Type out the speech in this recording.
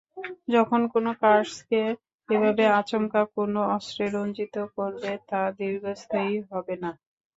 যখন কোনো কার্সকে এভাবে আচমকা কোনো অস্ত্রে রঞ্জিত করবে, তা দীর্ঘস্থায়ী হবে না।